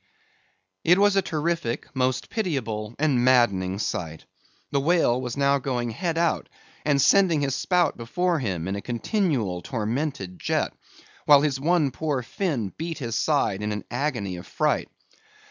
It was a terrific, most pitiable, and maddening sight. The whale was now going head out, and sending his spout before him in a continual tormented jet; while his one poor fin beat his side in an agony of fright.